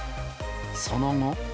その後。